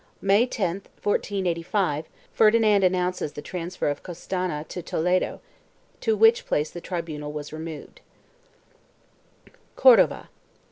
May 10, 1485, Ferdinand announces the transfer of Costana to Toledo, to which place the tribunal was removed.4 CORDOVA.